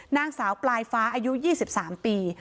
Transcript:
นางสาวปลายฟ้าอายุ๒๓ปี